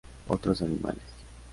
Otros animales.